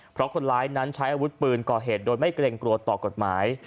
เพราะคนร้ายนั้นใช้อาวุธปืนก่อเหตุโดยไม่เกรงกลัวต่อกฎหมาย